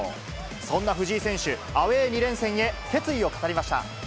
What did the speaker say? そんな藤井選手、アウエー２連戦へ、決意を語りました。